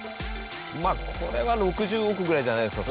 まあこれは６０億ぐらいじゃないですか？